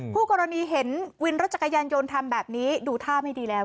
ผู้กรณีเห็นวินรถจักรยานยนต์ทำแบบนี้ดูท่าไม่ดีแล้ว